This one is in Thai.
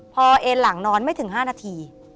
พอเอ็นหลังนอนไม่ถึง๕นาที